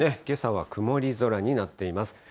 けさは曇り空になっています。